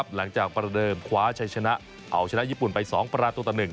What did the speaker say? หลังจากประเดิมคว้าชัยชนะเอาชนะญี่ปุ่นไปสองประดาษตัวแต่หนึ่ง